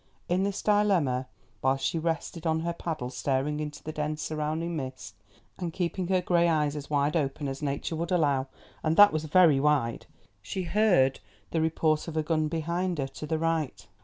In this dilemma, while she rested on her paddle staring into the dense surrounding mist and keeping her grey eyes as wide open as nature would allow, and that was very wide, she heard the report of a gun behind her to the right.